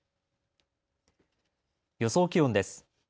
予想気温です。